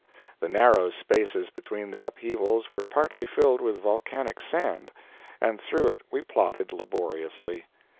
The narrow spaces between the upheavals were partly filled with volcanic sand, and through it we plodded laboriously.